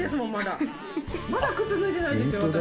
まだ靴脱いでないですよ。